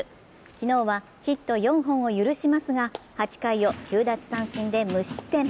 昨日はヒット４本を許しますが８回を９奪三振で無失点。